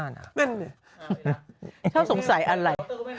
นั่นน่ะ